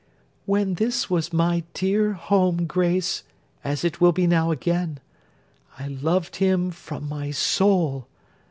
'When this was my dear home, Grace, as it will be now again, I loved him from my soul.